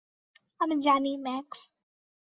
আমি জানি, ম্যাক্স।